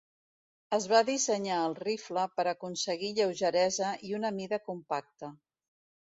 Es va dissenyar el rifle per aconseguir lleugeresa i una mida compacta.